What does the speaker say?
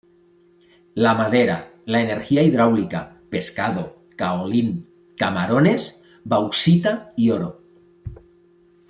La madera, la energía hidráulica, pescado, caolín, camarones, bauxita y oro.